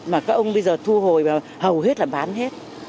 mà các ông bây giờ thu hồi và hầu hết là bán hết